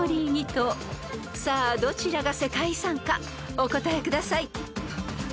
［さあどちらが世界遺産かお答えください］